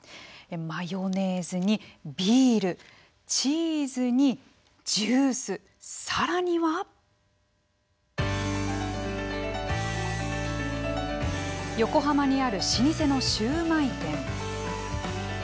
マヨネーズにビールチーズにジュース、さらには横浜にある老舗のシューマイ店。